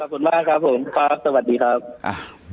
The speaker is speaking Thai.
ขอบคุณมากครับผมครับสวัสดีครับ